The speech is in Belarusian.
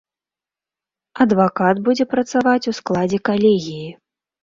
Адвакат будзе працаваць у складзе калегіі.